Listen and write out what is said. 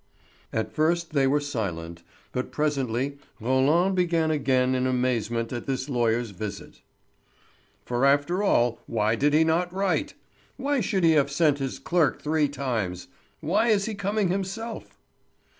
At first they were silent; but presently Roland began again in amazement at this lawyer's visit. "For after all, why did he not write? Why should he have sent his clerk three times? Why is he coming himself?"